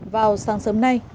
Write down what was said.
vào sáng sớm nay